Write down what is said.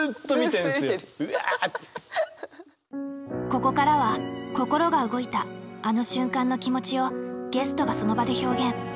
ここからは心が動いたあの瞬間の気持ちをゲストがその場で表現。